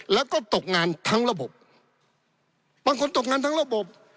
แล้วก็ตกงานทั้งระบบบางคนตกงานทั้งระบบ